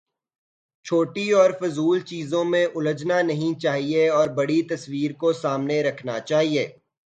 چھوٹی اور فضول چیزوں میں الجھنا نہیں چاہیے اور بڑی تصویر کو سامنے رکھنا چاہیے۔